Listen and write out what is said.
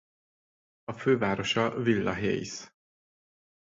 A fővárosa Villa Hayes.